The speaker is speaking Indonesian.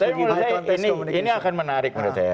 saya menurut saya ini akan menarik menurut saya